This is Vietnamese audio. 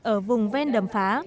ở vùng ven đầm phá